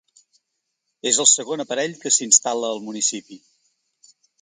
És el segon aparell que s’instal·la al municipi.